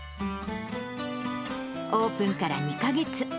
オープンから２か月。